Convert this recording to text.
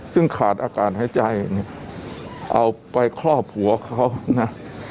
ซึ่งขาดอากาศหายใจเนี่ยเอาไปครอบหัวเขานะ